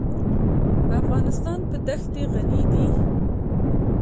افغانستان په دښتې غني دی.